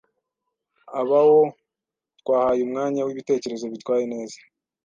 Abô twahaye umwanya w’ibitekerezo bitwaye neza.